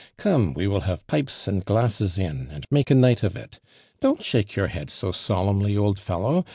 "Come, we will have pipes and glasses in ami make a night of It I Don't shake your head so solemnly, old fellow.